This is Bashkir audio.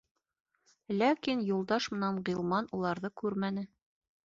Ләкин Юлдаш менән Ғилман уларҙы күрмәне.